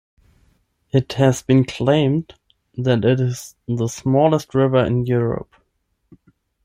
It has been claimed that it is the smallest river in Europe.